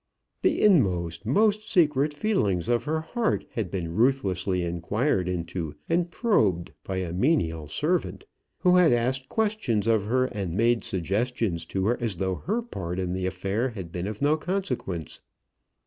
The inmost, most secret feelings of her heart had been ruthlessly inquired into and probed by a menial servant, who had asked questions of her, and made suggestions to her, as though her part in the affair had been of no consequence.